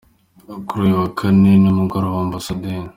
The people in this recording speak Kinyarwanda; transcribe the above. Kuri uyu wa kane nimugoroba, Amb.